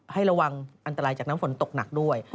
ให้ระวังอันตรายจากน้ำฝนตกหนักด้วย